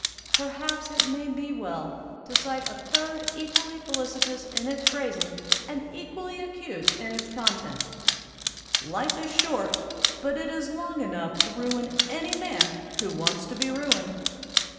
Per haps it may be well to cite a third equally felici tous in its phrasing and equally acute in its con tent: "Life is short, but it is long enough to ruin any man who wants to be ruined."